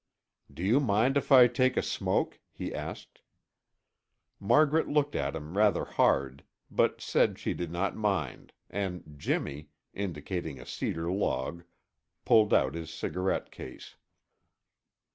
"Do you mind if I take a smoke?" he asked. Margaret looked at him rather hard, but said she did not mind, and Jimmy, indicating a cedar log, pulled out his cigarette case.